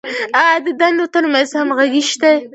آیا د دندو تر منځ همغږي شته؟